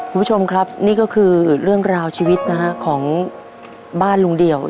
คุณผู้ชมครับนี่ก็คือเรื่องราวชีวิตนะฮะของบ้านลุงเดี่ยว